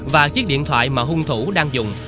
và chiếc điện thoại mà hung thủ đang dùng